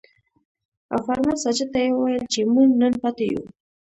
او فرمان ساجد ته يې وويل چې مونږ نن پاتې يو ـ